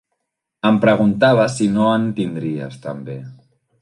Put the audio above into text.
Em preguntava si no en tindries també.